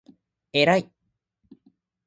えらい！！！！！！！！！！！！！！！